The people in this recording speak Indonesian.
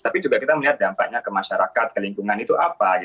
tapi juga kita melihat dampaknya ke masyarakat ke lingkungan itu apa